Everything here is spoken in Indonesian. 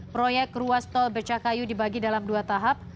proyek ruas tol becakayu dibagi dalam dua tahap